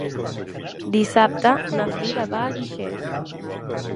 Dissabte na Frida va a Guixers.